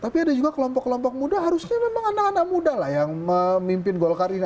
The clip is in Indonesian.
tapi ada juga kelompok kelompok muda harusnya memang anak anak muda lah yang memimpin golkar ini